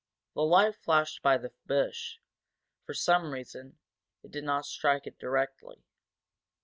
The light flashed by the bush, for some reason, it did not strike it directly.